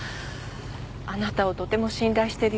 あなたをとても信頼してるようですし。